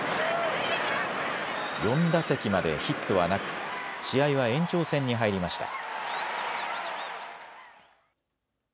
４打席までヒットはなく試合は延長戦に入りました。